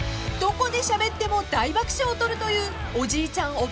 ［どこでしゃべっても大爆笑をとるというおじいちゃん